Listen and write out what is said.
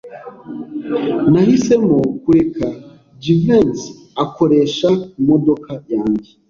Nahisemo kureka Jivency akoresha imodoka yanjye.